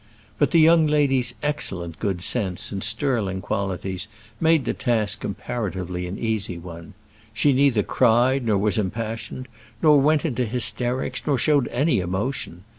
But the young lady's excellent good sense and sterling qualities made the task comparatively an easy one. She neither cried, nor was impassioned, nor went into hysterics, nor showed any emotion.